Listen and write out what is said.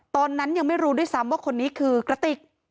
ตอนนั้นยังไม่รู้ด้วยซ้ำว่าคนนี้คือกระติก